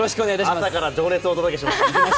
朝から情熱を届けます。